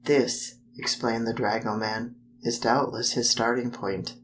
"This," explained the dragoman, "is doubtless his starting point.